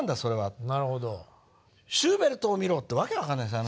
「シューベルトを見ろ」って訳分かんないですよ